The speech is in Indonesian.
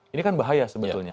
ini kan bahaya sebetulnya